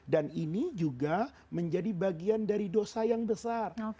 dan ini juga menjadi bagian dari dosa yang besar